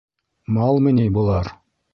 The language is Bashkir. Малмы ни былар?!